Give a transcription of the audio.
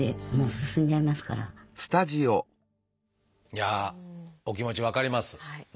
いやあお気持ち分かります。